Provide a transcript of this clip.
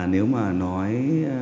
nếu mà nói